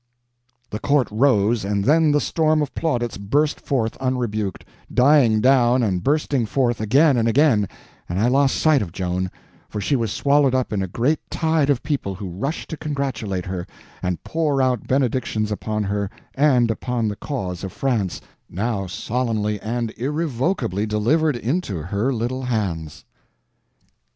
The court rose, and then the storm of plaudits burst forth unrebuked, dying down and bursting forth again and again, and I lost sight of Joan, for she was swallowed up in a great tide of people who rushed to congratulate her and pour out benedictions upon her and upon the cause of France, now solemnly and irrevocably delivered into her little hands.